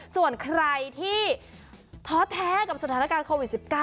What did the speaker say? ส่วนใครที่ท้อแท้กับสถานการณ์โควิด๑๙